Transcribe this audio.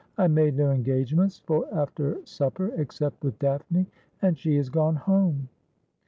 I made no engagements for after supper, except with Daphne, and she has gone home.'